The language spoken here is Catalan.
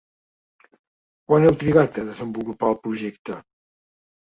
Quant heu trigat a desenvolupar el projecte?